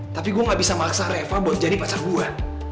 tapi gue gak bisa maksa reva buat jadi pasar buah